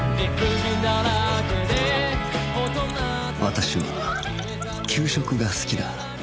私は給食が好きだ